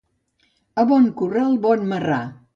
A bon corral, bon marrà.